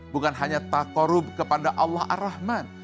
bukan hanya tak korup kepada allah ar rahman